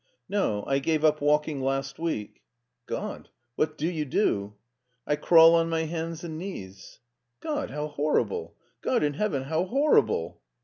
" No, I gave up walking last week." "God! What do you do?" " I crawl on my hands and knees/' " God ! how horrible ! God in Heaven, how horri ble!"